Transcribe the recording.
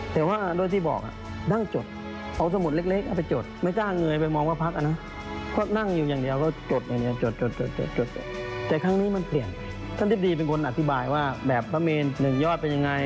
แต่ว่าโดยที่บอกอ่ะนั่งจดเอาสมุดเล็กเอาไปจด